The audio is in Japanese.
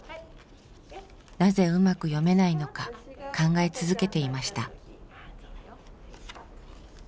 なぜうまく読めないのか考え続けていました。